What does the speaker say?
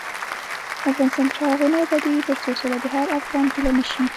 افغانستان تر هغو نه ابادیږي، ترڅو سوله د هر افغان هیله نشي.